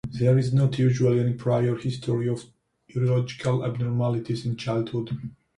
There is not usually any prior history of urological abnormalities in childhood.